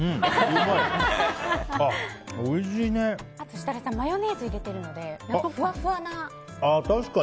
設楽さん、マヨネーズを入れてるのでふわふわな感じしませんか？